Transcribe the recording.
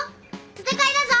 戦いだぞ。